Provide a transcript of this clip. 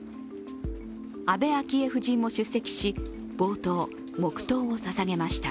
安倍昭恵夫人も出席し、冒頭、黙とうをささげました。